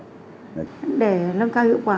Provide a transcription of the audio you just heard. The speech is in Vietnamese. để nâng cao hiệu quả